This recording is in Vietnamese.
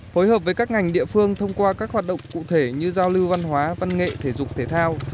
phối hợp với các ngành địa phương thông qua các hoạt động cụ thể như giao lưu văn hóa văn nghệ thể dục thể thao